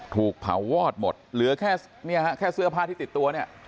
ถูกเผาวอดหมดเหลือแค่เนี่ยฮะแค่เสื้อผ้าที่ติดตัวเนี่ย